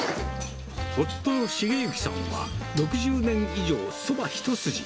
夫の茂行さんは６０年以上そば一筋。